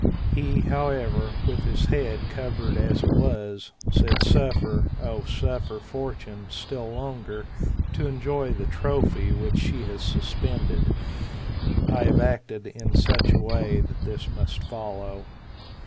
He, however, with his head covered as it was, said. Suffer, O suffer Fortune still longer to enjoy the trophy which she has suspended. I have acted in such a way that this must follow.